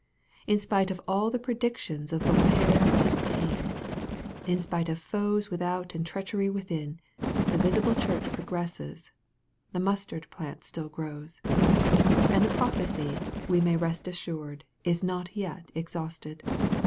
In spite of all the pre dictions of Voltaire and Paine, in spite of foes without and treachery 'within, the visible church progresses the mustard plant still grows. And the prophecy, we may rest assured, is not yet exhausted.